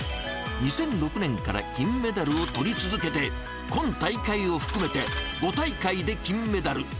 ２００６年から金メダルをとり続けて、今大会を含めて５大会で金メダル。